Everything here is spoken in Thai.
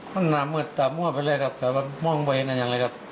มันน่าเมื่อตามว่าไปเลยครับแบบว่ามองไว้นั่นยังไงครับ